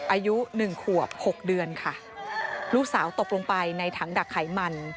อายุหนึ่งขวบหกเดือนค่ะลูกสาวตกลงไปในถังดักไขมัน